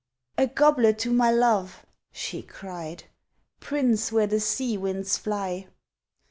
"A goblet to my love!" she cried, "Prince where the sea winds fly!"